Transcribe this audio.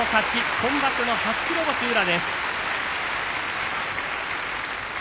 今場所の初白星の宇良。